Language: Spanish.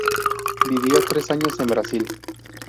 Vivió tres años en Brasil.